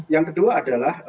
yang kedua adalah